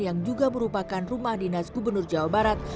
yang juga merupakan rumah dinas gubernur jawa barat